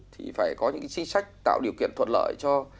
thì phải có những cái xí sách tạo điều kiện thuận lợi cho